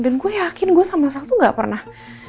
dan gue yakin gue sama satu nggak pernah